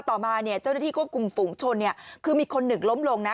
ต่อมาเนี่ยเจ้าหน้าที่ควบคุมฝูงชนเนี่ยคือมีคนหนึ่งล้มลงนะ